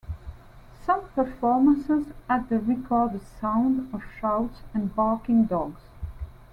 Some performances add the recorded sounds of shouts and barking dogs.